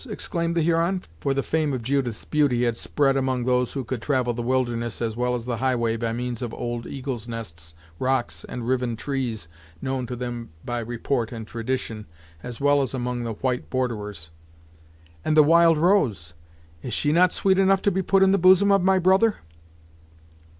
exclaimed the Huron for the fame of Judith's beauty had spread among those who could travel the wilderness, as well as the highway by means of old eagles' nests, rocks, and riven trees known to them by report and tradition, as well as among the white borderers, "And the Wild Rose; is she not sweet enough to be put in the bosom of my brother?"